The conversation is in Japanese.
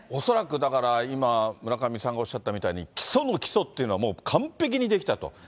恐らくだから、今、村上さんがおっしゃったみたいに、基礎の基礎っていうのは完璧にできたと。